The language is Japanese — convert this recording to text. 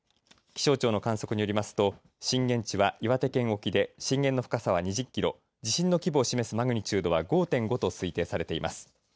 気象庁の観測によりますと震源地は岩手県沖で震源の深さは２０キロ地震の規模を示すマグニチュードは５．５と推定されています。